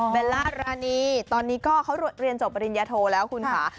ล่ารานีตอนนี้ก็เขาเรียนจบปริญญาโทแล้วคุณค่ะ